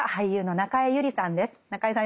中江さん